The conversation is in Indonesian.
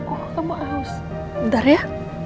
oh kamu harus bentar ya